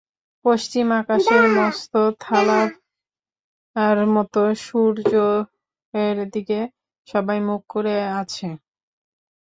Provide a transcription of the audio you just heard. পশ্চিম আকাশের মস্ত থালার মতো সূর্যের দিকে সবাই মুখ করে আছে।